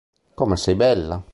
Come sei bella